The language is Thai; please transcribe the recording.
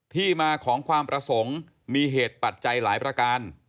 ที่มาของความประสงค์มีเหตุปัจจัยหลายประการ